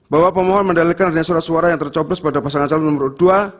bahwa pemohon mendalilkan adanya surat suara yang tercoblos pada pasangan calon nomor dua